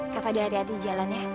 kak fadil hati hati jalan ya